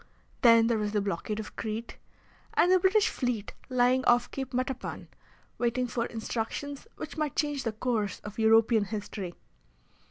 Then there was the blockade of Crete, and the British fleet lying off Cape Matapan, waiting for instructions which might change the course of European history.